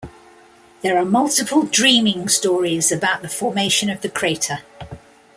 There are multiple Dreaming stories about the formation of the crater.